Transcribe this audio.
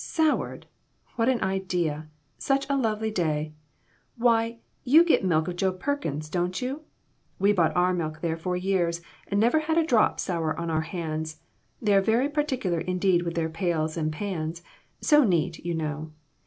" Soured ? What an idea ! Such a lovely day ! Why, you get milk of Joe Perkins, don't you? We bought our milk there for years, and never had a drop sour on our hands. They are very particular indeed with their pails and pans so neat, you know.